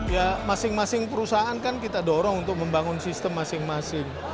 ya masing masing perusahaan kan kita dorong untuk membangun sistem masing masing